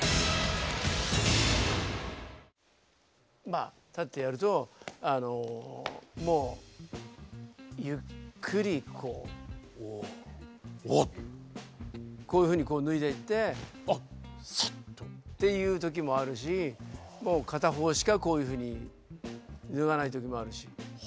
まあ立ってやるとあのもうゆっくりこうこういうふうにこう脱いでいってっていう時もあるし片方しかこういうふうに脱がない時もあるし。